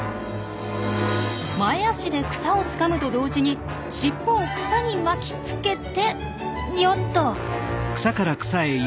前足で草をつかむと同時に尻尾を草に巻きつけてよっと。